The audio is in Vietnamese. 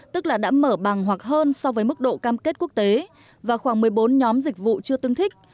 tức là đã mở bằng hoặc hơn so với mức độ cam kết quốc tế và khoảng một mươi bốn nhóm dịch vụ chưa tương thích